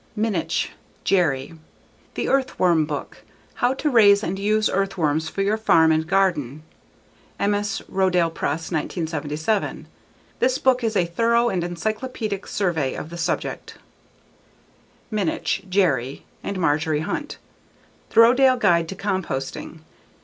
Minnich, Jerry. _The Earthworm Book: How to Raise and Use Earthworms for Your Farm and Garden. _Emmaus: Rodale Press, 1977. This book is a thorough and encyclopedic survey of the subject Minnich, Jerry and Marjorie Hunt. _The Rodale Guide to Composting.